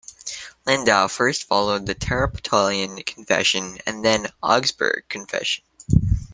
Lindau first followed the Tetrapolitan Confession, and then the Augsburg Confession.